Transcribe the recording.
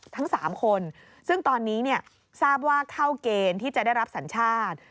ทั้ง๓คนซึ่งตอนนี้ทราบว่าเข้าเกณฑ์ที่จะได้รับสัญชาติ